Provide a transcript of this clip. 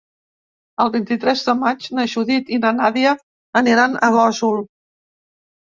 El vint-i-tres de maig na Judit i na Nàdia aniran a Gósol.